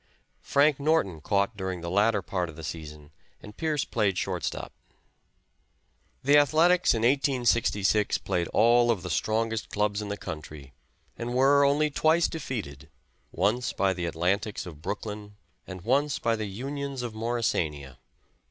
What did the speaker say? Frank Norton caught during the latter part of the season and Pearce played shortstop. The Athletics in 1866 played all of the strongest clubs in the country and were only twice defeated, once by the Atlantics of Brooklyn, and once by the Unions of Morrisania.